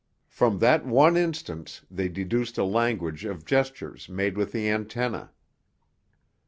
From that one instance they deduced a language of gestures made with the antennae.